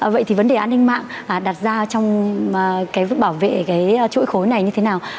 vậy thì vấn đề an ninh mạng đặt ra trong cái bảo vệ cái chuỗi khối này như thế nào